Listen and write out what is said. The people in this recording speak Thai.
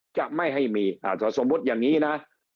จะไม่ให้มีถ้าสมมุติอย่างนี้นะ